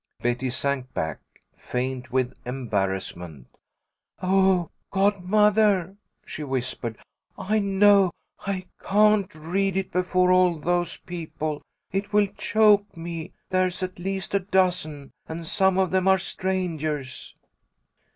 Betty sank back, faint with embarrassment. "Oh, godmother!" she whispered. "I know I can't read it before all those people. It will choke me. There's at least a dozen, and some of them are strangers."